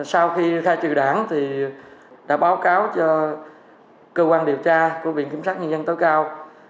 sau khi khai trừ đảng đã báo cáo cho cơ quan điều tra của viện kiểm sát nhân dân tối cao